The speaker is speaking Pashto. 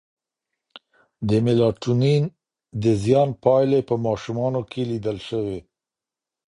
د میلاټونین د زیان پایلې په ماشومانو کې لیدل شوې.